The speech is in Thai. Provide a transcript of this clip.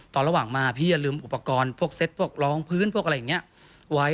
ตอนระหว่างมาพี่จะลืมอุปกรณ์พวกเซ็ตพวกรองพื้นพวกอะไรอย่างนี้ไว้